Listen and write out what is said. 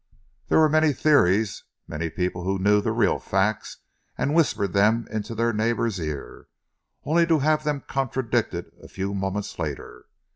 There were many theories, many people who knew the real facts and whispered them into a neighbour's ear, only to have them contradicted a few moments later.